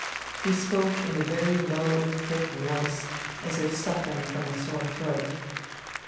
He spoke in a very low, thick voice, as if suffering from a sore throat.